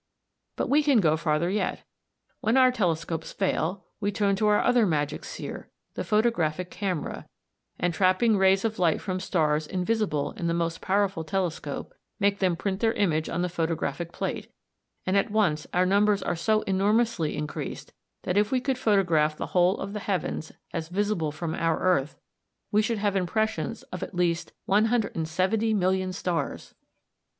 But we can go farther yet. When our telescopes fail, we turn to our other magic seer, the photographic camera, and trapping rays of light from stars invisible in the most powerful telescope, make them print their image on the photographic plate, and at once our numbers are so enormously increased that if we could photograph the whole of the heavens as visible from our earth, we should have impressions of at least 170,000,000 stars!